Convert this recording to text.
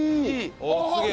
すげえ。